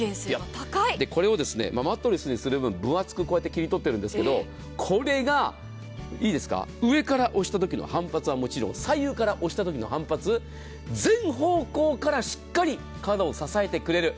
これをマットレスにする分、分厚く切り取ってるんですけど、これが、いいですか、上から押したときの反発はもちろん左右から押したときの反発、全方向からしっかり体を支えてくれる。